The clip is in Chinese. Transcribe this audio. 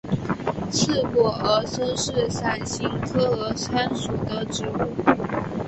刺果峨参是伞形科峨参属的植物。